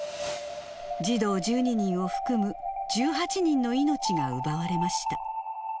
児童１２人を含む１８人の命が奪われました。